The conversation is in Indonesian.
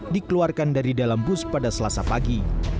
dikeluarkan dari dalam bus pada selasa pagi